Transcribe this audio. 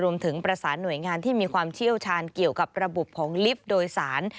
รวมถึงประสานหน่วยงานที่มีความเชี่ยวชาญเกี่ยวกับระบบของลิฟต์โดยสาร